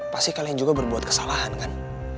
pasti kalian juga berbuat kesalahan kan